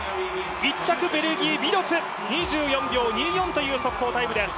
１着ビドツ、２４秒２４という速報タイムです。